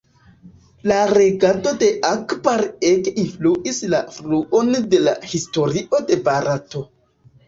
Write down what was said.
La regado de Akbar ege influis la fluon de la historio de Barato.